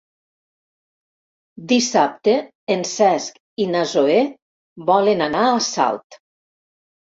Dissabte en Cesc i na Zoè volen anar a Salt.